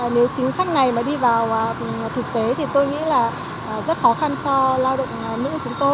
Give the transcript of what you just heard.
nếu chính sách này mà đi vào thực tế thì tôi nghĩ là rất khó khăn cho lao động nữ chúng tôi